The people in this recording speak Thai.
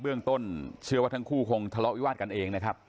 เรื่องต้นเชื่อว่าทั้งคู่คงทะเลาะวิวาดกันเองนะครับ